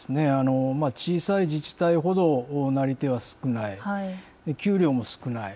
小さい自治体ほどなり手は少ない、給料も少ない。